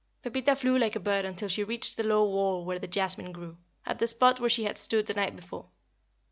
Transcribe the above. Pepita flew like a bird until she reached the low wall where the jasmine grew, at the spot where she had stood the night before.